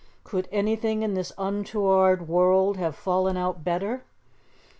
Could anything in this untoward world have fallen out better?